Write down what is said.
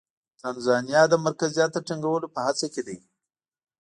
تانزانیا د مرکزیت د ټینګولو په هڅه کې دی.